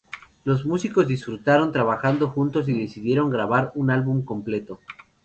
Los músicos disfrutaron trabajando juntos y decidieron grabar un álbum completo.